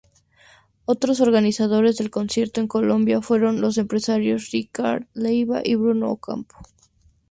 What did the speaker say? Otros organizadores del concierto en Colombia fueron los empresarios Ricardo Leyva y Bruno Ocampo.